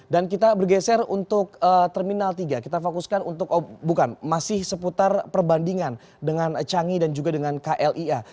dan kita bergeser untuk terminal tiga kita fokuskan untuk oh bukan masih seputar perbandingan dengan cangi dan juga dengan klia